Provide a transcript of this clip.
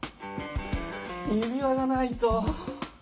指輪がないと。